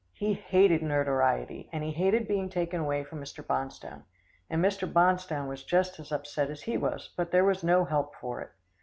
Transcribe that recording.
He hated notoriety, and he hated being taken away from Mr. Bonstone; and Mr. Bonstone was just as upset as he was, but there was no help for it.